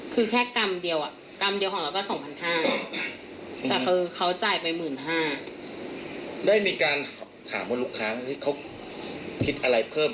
คือแค่กรรมเดียวกรรมเดียวของเราก็๒๕๐๐